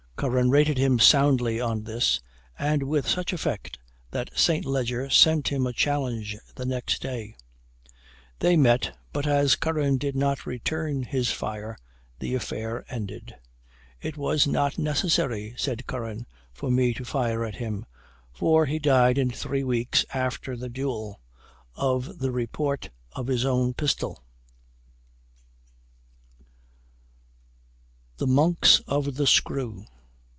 Curran rated him soundly on this, and with such effect that St. Leger sent him a challenge the next day. They met, but as Curran did not return his fire, the affair ended. "It was not necessary," said Curran, "for me to fire at him, for he died in three weeks after the duel, of the report of his own pistol." THE MONKS OF THE SCREW.